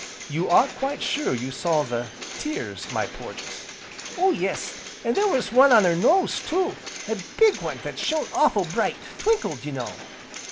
"You are quite sure you saw the tears, my Porges?" "Oh yes! an' there was one on her nose, too, a big one, that shone awful' bright, twinkled, you know."